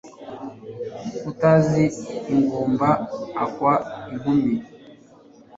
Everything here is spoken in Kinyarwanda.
utazi ingumba akwa inkumi